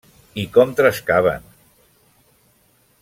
I com trescaven!